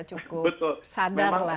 cukup sadar lah